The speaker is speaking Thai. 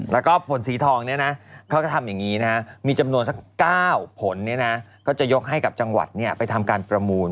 แล้วก็ผลสีทองเนี่ยนะเขาจะทำอย่างนี้นะมีจำนวนสัก๙ผลก็จะยกให้กับจังหวัดไปทำการประมูล